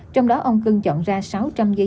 trong đó ông cưng chọn ra sáu trăm linh dây dưa